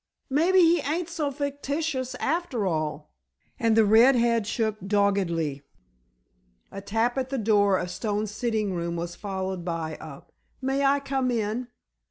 "Maybe he ain't so fictitious after all," and the red head shook doggedly. A tap at the door of Stone's sitting room was followed by a "May I come in?"